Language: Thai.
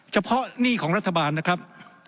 เฉพาะหนี้ของรัฐบาลนะครับ